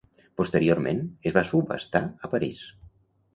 Posteriorment, es va subhastar a París.